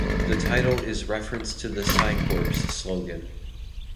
The title is reference to the Psi Corps slogan.